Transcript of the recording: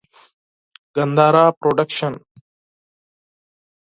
ګندهارا پروډکشن.